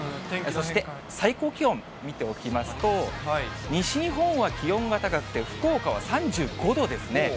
そして、最高気温見ておきますと、西日本は気温が高くて福岡は３５度ですね。